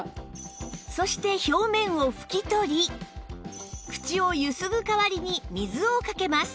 そして表面を拭き取り口をゆすぐ代わりに水をかけます